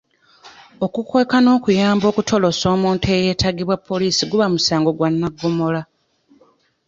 Okukweka n'okuyamba okutolosa omuntu eyeetaagibwa poliisi guba musango gwa naggomola.